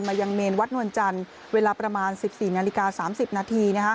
ยังเมนวัดนวลจันทร์เวลาประมาณ๑๔นาฬิกา๓๐นาที